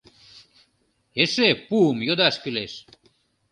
— Эше пуым йодаш кӱлеш!